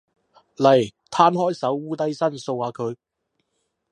嚟，攤開手，摀低身，掃下佢